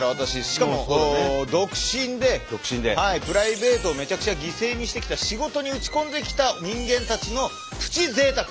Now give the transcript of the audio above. しかも独身でプライベートをめちゃくちゃ犠牲にしてきた仕事に打ち込んできた人間たちのプチ贅沢と。